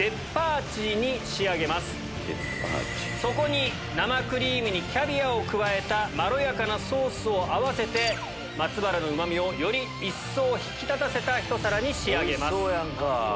そこに生クリームにキャビアを加えたまろやかなソースを合わせてまつばらのうま味をより一層引き立たせたひと皿に仕上げます。